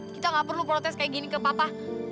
kita gak perlu protes kayak gini ke papa